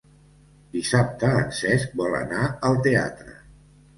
Dissabte en Cesc vol anar al teatre.